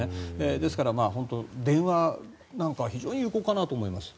ですから、電話なんかは非常に有効かなと思います。